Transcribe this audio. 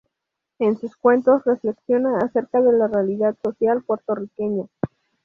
En sus cuentos reflexiona acerca de la realidad social puertorriqueña.